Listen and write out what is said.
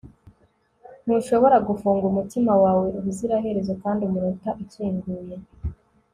ntushobora gufunga umutima wawe ubuziraherezo kandi umunota ukinguye